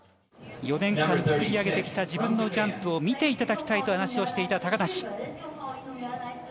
４年間、作り上げてきた自分のジャンプを見ていただきたいと話をしていた高梨。